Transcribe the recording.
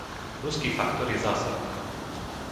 Ruský faktor je zásadný.